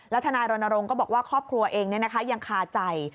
และทนายรณรงค์ก็บอกว่าครอบครัวเองนี่นะคะยังคาใจ